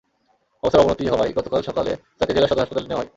অবস্থার অবনতি হওয়ায় গতকাল সকালে তাঁকে জেলা সদর হাসপাতালে নেওয়া হয়।